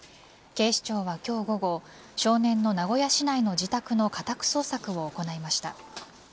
警視庁は今日午後少年の、名古屋市内の自宅の家宅捜索を行いました。